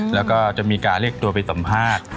แล้วก็จะมีการเรียกตัวไปสัมภาษณ์